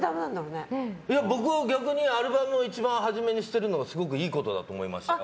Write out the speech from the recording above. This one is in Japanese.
僕は逆にアルバムは一番初めに捨てるのがすごくいいことだと思いました。